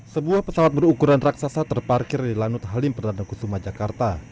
sebuah pesawat berukuran raksasa terparkir di lanut halim perdana kusuma jakarta